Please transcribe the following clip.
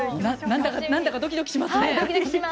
何だかドキドキしますね。